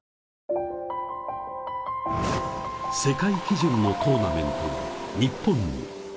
◆世界基準のトーナメントを日本に。